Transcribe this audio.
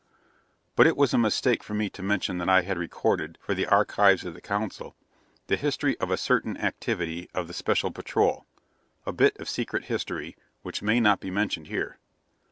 ] But it was a mistake for me to mention that I had recorded, for the archives of the Council, the history of a certain activity of the Special Patrol a bit of secret history which may not be mentioned here.